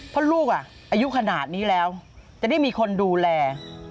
เพราะลูกอายุขนาดนี้แล้วจะได้มีคนดูแล